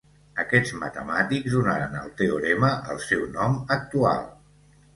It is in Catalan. Aquests matemàtics donaren al teorema el seu nom actual.